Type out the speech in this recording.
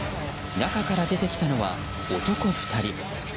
中から出てきたのは、男２人。